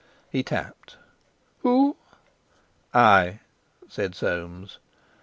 He tapped. "Who?" "I," said Soames.